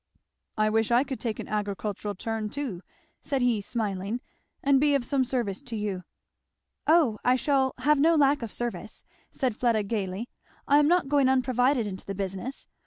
"I wish I could take an agricultural turn too," said he smiling, "and be of some service to you." "O I shall have no lack of service," said Fleda gayly; "I am not going unprovided into the business.